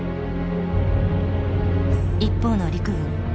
一方の陸軍。